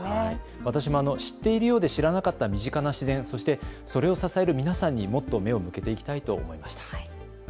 私も知っているようで知らなかった身近な自然そしてそれを支える皆さんに目を向けていきたいなと思いました。